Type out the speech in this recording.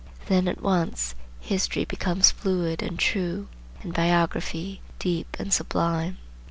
Then at once History becomes fluid and true, and Biography deep and sublime.